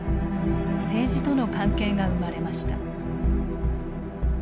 政治との関係が生まれました。